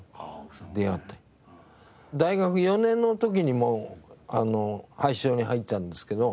大学４年の時にもう俳小に入ったんですけど。